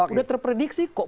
udah terprediksi kok